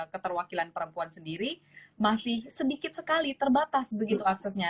keterwakilan perempuan sendiri masih sedikit sekali terbatas begitu aksesnya